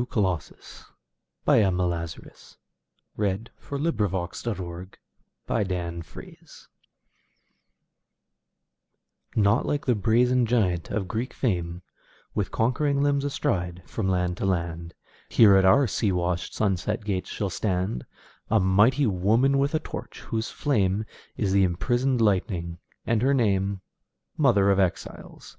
The Book of New York Verse. 1917. The New Colossus Emma Lazarus NOT like the brazen giant of Greek fame, With conquering limbs astride from land to land; Here at our sea washed, sunset gates shall standA mighty woman with a torch, whose flameIs the imprisoned lightning, and her nameMother of Exiles.